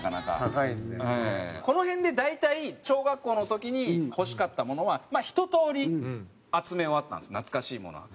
この辺で大体小学校の時に欲しかったものはひととおり集め終わったんです懐かしいものは。